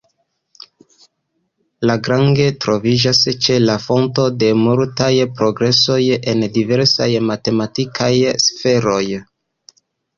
Lagrange troviĝas ĉe la fonto de multaj progresoj en diversaj matematikaj sferoj.